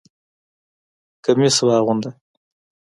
کمیس واغونده!